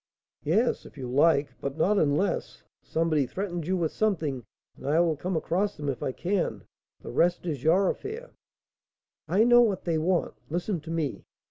"Yes, if you like, but not unless. Somebody threatens you with something, and I will come across them if I can; the rest is your affair." "I know what they want. Listen to me.